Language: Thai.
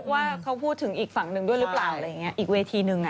ว่าเขาพูดถึงอีกฝั่งนึงด้วยหรือเปล่าเป็นอีกเวทีนึง